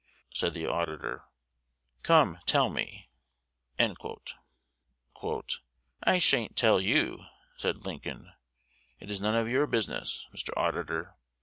said the auditor. "Come, tell me." "I sha'n't tell you," said Lincoln. "It is none of your business, Mr. Auditor.